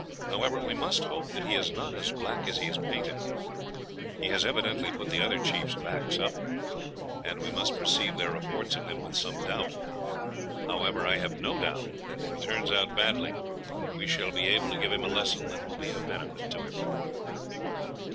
However, we must hope that he is not as black as he is painted. He has evidently put the other chiefs' backs up, and we must receive their reports of him with some doubt. However, I have no doubt that, if he turns out badly, we shall be able to give him a lesson that will be of benefit to him."